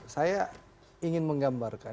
saya ingin menggambarkan